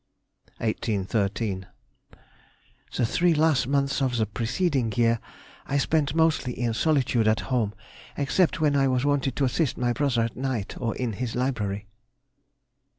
[Sidenote: 1813. Extracts from Diary.] 1813.—The three last months of the preceding year I spent mostly in solitude at home, except when I was wanted to assist my brother at night or in his library.